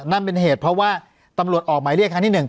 นั่นเป็นเหตุเพราะว่าตำรวจออกหมายเรียกครั้งที่๑